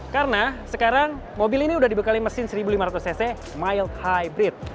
karena sekarang mobil ini udah dibekali mesin seribu lima ratus cc mild hybrid